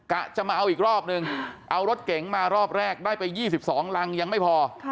จะมาเอาอีกรอบนึงเอารถเก๋งมารอบแรกได้ไป๒๒รังยังไม่พอ